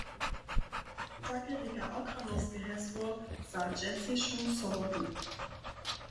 Takle rěka Ochranowske hesło za dźensnišu sobotu.